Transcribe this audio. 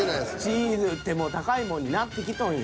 チーズってもう高いもんになってきとんよ。